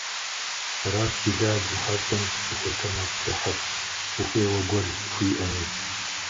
Арат Билал и хьэщӀэм щӀыхуэтэмакъкӀыхьыр, гукъеуэ гуэр хуиӀэми.